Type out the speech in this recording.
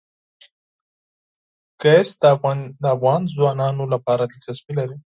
ګاز د افغان ځوانانو لپاره دلچسپي لري.